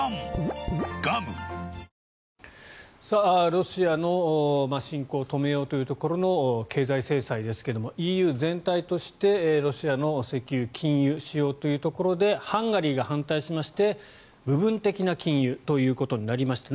ロシアの侵攻を止めようというところの経済制裁ですがＥＵ全体としてロシアの石油禁輸しようというところでハンガリーが反対しまして部分的な禁輸ということになりました。